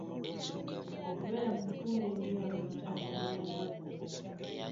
Okubeera mu kitundu ekiyonjo kitangira endwadde.